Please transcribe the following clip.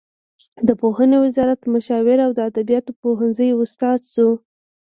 د پوهنې وزارت مشاور او د ادبیاتو پوهنځي استاد شو.